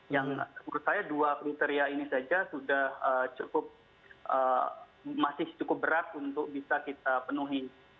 yang menurut saya dua kriteria ini saja sudah cukup masih cukup berat untuk bisa kita penuhi